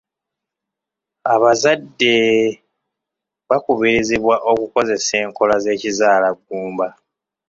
Abazadde bakubirizibwa okukozesa enkola z'ekizaalaggumba.